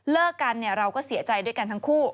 กันเราก็เสียใจด้วยกันทั้งคู่